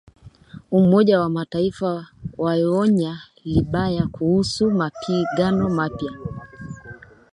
Umoja wa Mataifa waionya Libya kuhusu mapigano mapya